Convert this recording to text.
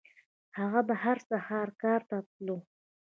هغه به هر سهار کار ته تلو.